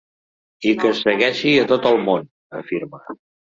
I que es segueixi a tot el món, afirma.